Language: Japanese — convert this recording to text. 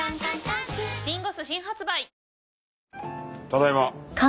ただいま。